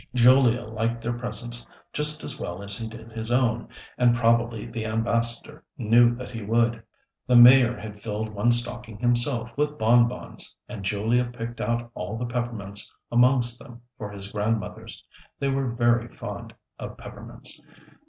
Julia liked their presents just as well as he did his own, and probably the Ambassador knew that he would. The Mayor had filled one stocking himself with bonbons, and Julia picked out all the peppermints amongst them for his Grandmothers. They were very fond of peppermints.